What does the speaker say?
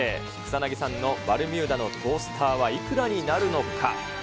草薙さんのバルミューダのトースターはいくらになるのか。